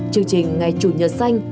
chương trình ngày chủ nhật xanh